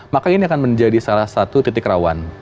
maka ini akan menjadi salah satu titik rawan